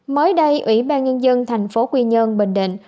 mới đây ủy ban nhân dân thành phố quy nhơn bình định